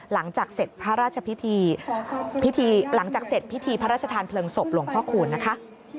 หลังจากเสร็จพิธีพระราชทานเผลิงศพหลวงพ่อคูณนะคะ